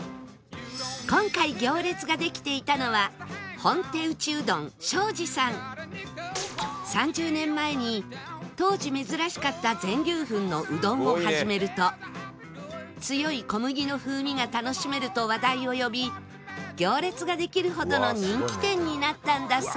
今回行列ができていたのは３０年前に当時珍しかった全粒粉のうどんを始めると強い小麦の風味が楽しめると話題を呼び行列ができるほどの人気店になったんだそう